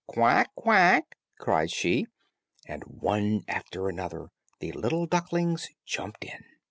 "Quack, quack," cried she, and one after another the little ducklings jumped in.